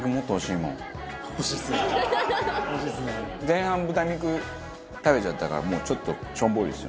前半豚肉食べちゃったからもうちょっとしょんぼりです。